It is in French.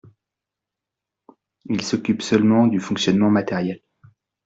Ils s’occupent seulement du fonctionnement matériel